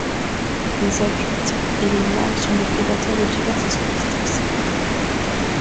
Les adultes et les larves sont des prédateurs de diverses espèces d'insectes.